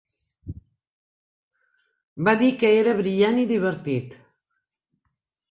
Va dir que era "brillant" i "divertit".